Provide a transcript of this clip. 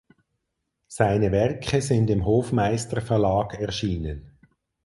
Seine Werke sind im Hofmeister Verlag erschienen.